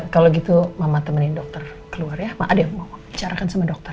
kalau begitu mama temenin dokter keluar ya maaf ya mama bicarakan sama dokter